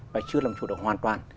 và chưa làm chủ động hoàn toàn